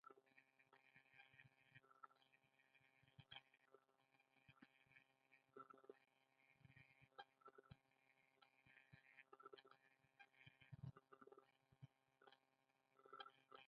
غږ یو فزیکي ښکارنده ده چې معنا بل ته لېږدوي